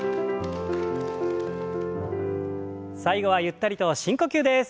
最後はゆったりと深呼吸です。